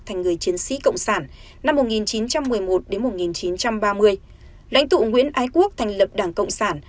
thành người chiến sĩ cộng sản năm một nghìn chín trăm một mươi một đến một nghìn chín trăm ba mươi lãnh tụ nguyễn ái quốc thành lập đảng cộng sản